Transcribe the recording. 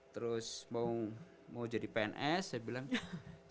terus mau jadi pns saya bilang